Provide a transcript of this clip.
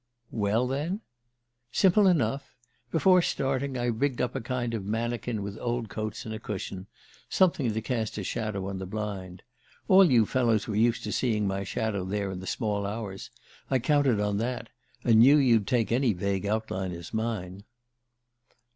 "Well, then?" "Simple enough. Before starting I rigged up a kind of mannikin with old coats and a cushion something to cast a shadow on the blind. All you fellows were used to seeing my shadow there in the small hours I counted on that, and knew you'd take any vague outline as mine."